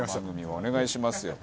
お願いしますよ。